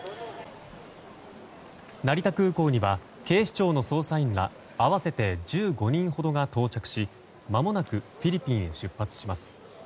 成田空港には警視庁の捜査員ら合わせて１５人ほどが到着しまもなくフィリピンへ出発します。